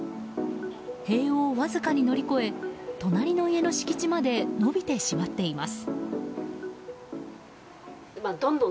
塀をわずかに乗り越え隣の家の敷地まで伸びてしまっています。